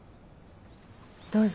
どうぞ。